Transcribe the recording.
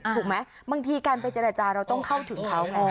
ถูกไหมบางทีการไปเจรจาเราต้องเข้าถึงเขาไง